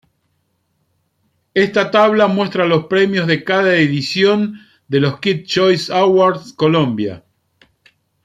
Esta tabla muestra los premios de cada edición de los Kids Choice Awards Colombia.